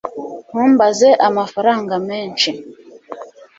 ntumbaze amafaranga menshi